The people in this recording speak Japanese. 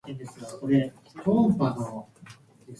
音声